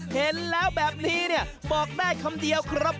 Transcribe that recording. เห็นแบบนี้แล้วบอกได้คำเดียวว่า